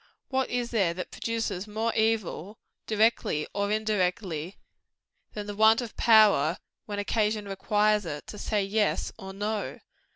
_ What is there that produces more evil directly or indirectly than the want of power, when occasion requires it, to say YES, or NO?